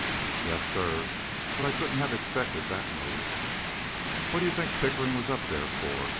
"Yes, Sir, but I couldn't have expected that move." "What do you think Pickering was up there for?"